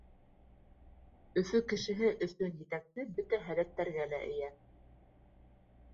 Өфө кешеһе өсөн етәксе бөтә һәләттәргә лә эйә.